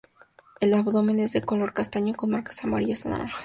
El abdomen es de color castaño con marcas amarillas o naranjas.